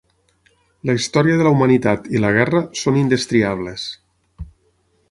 La història de la humanitat i la guerra són indestriables.